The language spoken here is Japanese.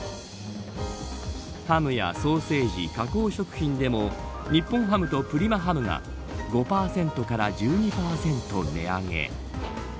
ハムやソーセージ、加工食品でも日本ハムとプリマハムが５％から１２％値上げ。